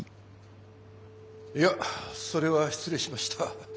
いやそれは失礼しました。